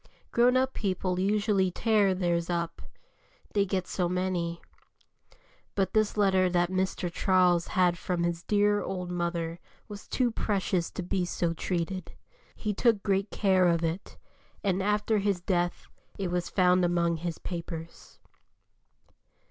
Grown up people usually tear theirs up, they get so many. But this letter that Mr. Charles had from his dear old mother was too precious to be so treated; he took great care of it, and after his death it was found among his papers.